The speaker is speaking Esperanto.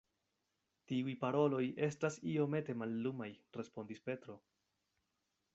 Tiuj paroloj estas iomete mallumaj, respondis Petro.